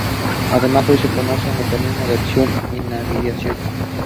He studied at the Evander Childs High School in The Bronx.